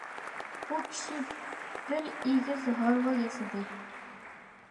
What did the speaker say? بۇ كىشى بىر ئېگىز ھارۋا ياسىدى.